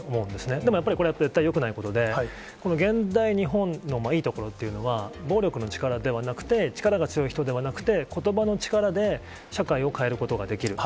でもやっぱり、これは絶対よくないことで、この現代日本のいいところというのは、暴力の力ではなくて、力が強い人ではなくて、ことばの力で社会を変えることができる。